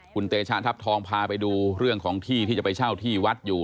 คุณเตชานทัพทองพาไปดูเรื่องของที่ที่จะไปเช่าที่วัดอยู่